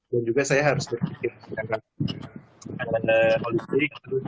dan juga saya harus berpikir misalkan ada polisi